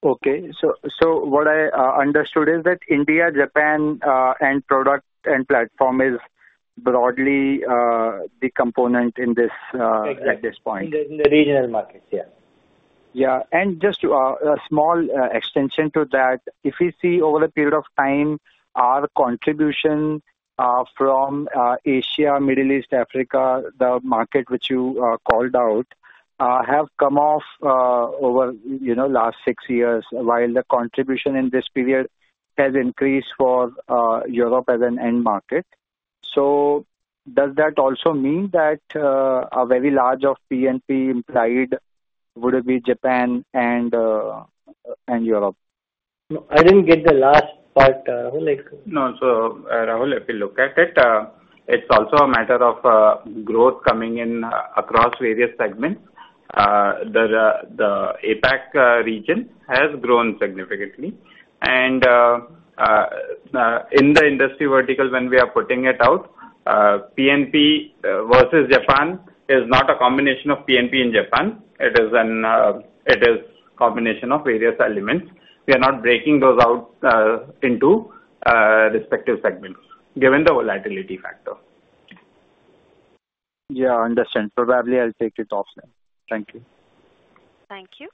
Okay. So what I understood is that India, Japan, and product and platform is broadly the component in this at this point. In the regional markets, yeah. Yeah. Just a small extension to that, if we see over the period of time, our contribution from Asia, Middle East, Africa, the market which you called out, have come off over, you know, last six years, while the contribution in this period has increased for Europe as an end market. Does that also mean that a very large of P&P implied would it be Japan and Europe? No, I didn't get the last part, Rahul. No. Rahul, if you look at it, it's also a matter of growth coming in across various segments. The APAC region has grown significantly. In the industry vertical, when we are putting it out, P&P versus Japan is not a combination of P&P and Japan. It is a combination of various elements. We are not breaking those out into respective segments, given the volatility factor. Yeah, understood. Probably I'll take it off then. Thank you. Thank you.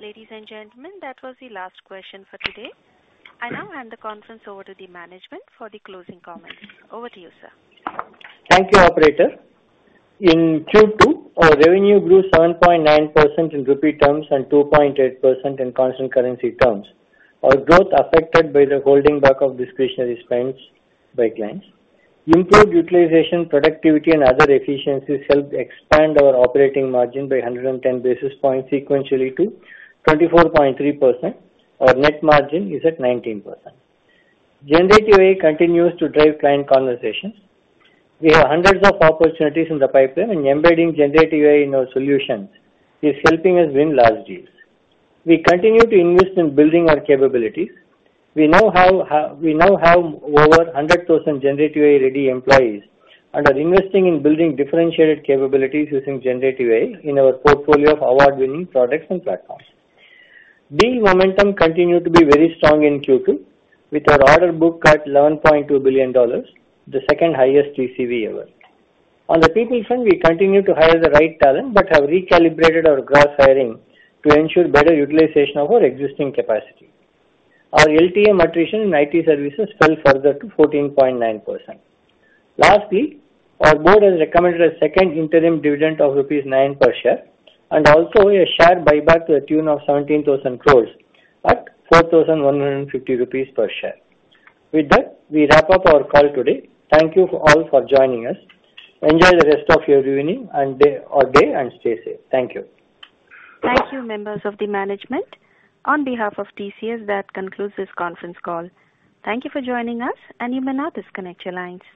Ladies and gentlemen, that was the last question for today. I now hand the conference over to the management for the closing comments. Over to you, sir. Thank you, operator. In Q2, our revenue grew 7.9% in rupee terms and 2.8% in constant currency terms. Our growth affected by the holding back of discretionary spends by clients. Improved utilization, productivity and other efficiencies helped expand our operating margin by 110 basis points sequentially to 24.3%. Our net margin is at 19%. Generative AI continues to drive client conversations. We have hundreds of opportunities in the pipeline, and embedding generative AI in our solutions is helping us win large deals. We continue to invest in building our capabilities. We now have over 100,000 generative AI-ready employees and are investing in building differentiated capabilities using generative AI in our portfolio of award-winning products and platforms. Deal momentum continued to be very strong in Q2, with our order book at $11.2 billion, the second highest TCV ever. On the people front, we continue to hire the right talent, but have recalibrated our gross hiring to ensure better utilization of our existing capacity. Our LTM attrition in IT services fell further to 14.9%. Lastly, our board has recommended a second interim dividend of rupees 9 per share and also a share buyback to the tune of 17,000 crore at 4,150 rupees per share. With that, we wrap up our call today. Thank you all for joining us. Enjoy the rest of your evening and day, or day, and stay safe. Thank you. Thank you, members of the management. On behalf of TCS, that concludes this conference call. Thank you for joining us, and you may now disconnect your lines.